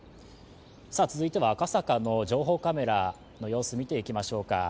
続いては赤坂の情報カメラの様子を見ていきましょうか。